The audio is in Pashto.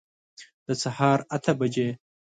د سهار اته بجي